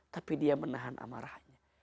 tapi dia menahan amarahnya